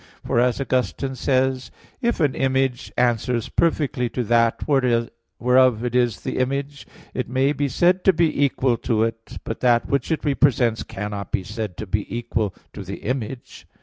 For as Augustine says (De Trin. vi, 10): "If an image answers perfectly to that whereof it is the image, it may be said to be equal to it; but that which it represents cannot be said to be equal to the image."